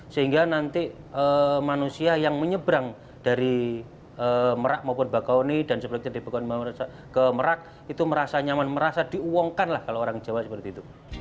sehingga nanti manusia yang menyebrang dari merak maupun bakaoni dan sebagainya di bakaoni ke merak itu merasa nyaman merasa diuongkan lah kalau orang jawa seperti itu